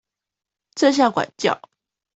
正向管教